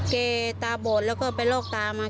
ตาบอดแล้วก็ไปลอกตามา